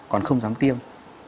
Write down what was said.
còn không dám tiêm